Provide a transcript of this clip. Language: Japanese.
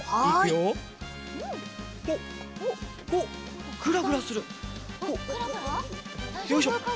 よいしょ。